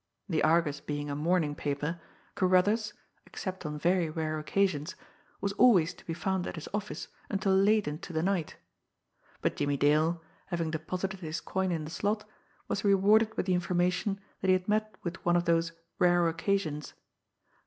The Argus being a morning paper, Carruthers, except on very rare occasions, was always to be found at his office until late into the night; but Jimmie Dale, having deposited his coin in the slot, was rewarded with the information that he had met with one of those "rare occasions."